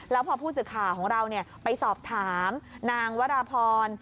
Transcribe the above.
แล้วพอผู้สื่อข่าวของเราไปสอบถามนางวราพร